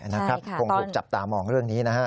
คงถูกจับตามองเรื่องนี้นะฮะ